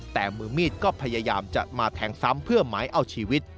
แต่มือมีดก็พยายามจะมาแทงซ้ำเพื่อหมายเอาชีวิต